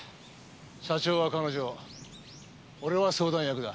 社長は彼女俺は相談役だ。